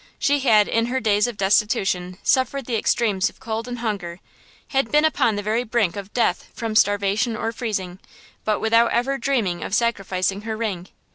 She had, in her days of destitution suffered the extremes of cold and hunger; had been upon the very brink of death from starvation or freezing, but without ever dreaming of sacrificing her ring.